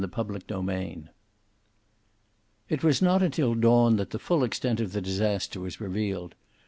CHAPTER XLII It was not until dawn that the full extent of the disaster was revealed.